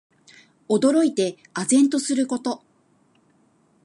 驚いて呆然とすること。